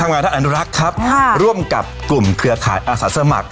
มันก็คือขยะ